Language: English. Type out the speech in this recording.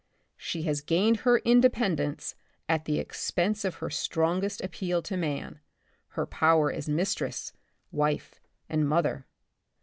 She has gained her independence at the expense of her strongest appeal to man, her power as mistress, wife and mother.